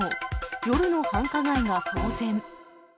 夜の繁華街が騒然。